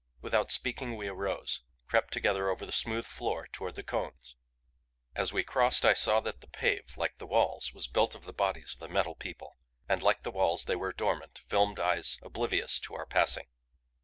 Without speaking we arose; crept together over the smooth floor toward the cones. As we crossed I saw that the pave, like the walls, was built of the bodies of the Metal People; and, like the walls, they were dormant, filmed eyes oblivious to our passing.